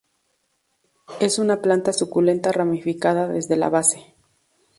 Es una planta suculenta ramificada desde la base.